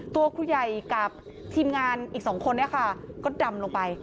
ตัวครูใหญ่กับทีมงานอีก๒คนก็ดำลงไป